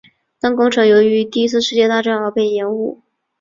但工程由于第一次世界大战而被延误。